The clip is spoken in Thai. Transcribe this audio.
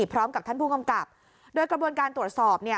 พร้อมกับท่านผู้กำกับโดยกระบวนการตรวจสอบเนี่ย